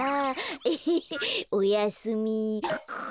エヘヘおやすみ。